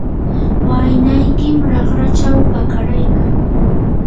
waynaykim raqrachaw pakaraykan.